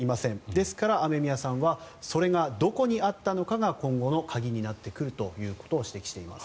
ですから、雨宮さんはそれがどこにあったのかが今後の鍵になってくると指摘しています。